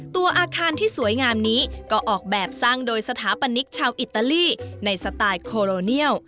ตัวอาคารที่สวยงามนี้ก็ออกแบบสร้างโดยสถาปนิกชาวอิตาลีในสไตล์โคโรเนียล